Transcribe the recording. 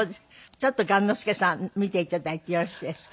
ちょっと雁之助さん見て頂いてよろしいですか？